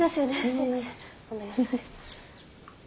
すいませんごめんなさい。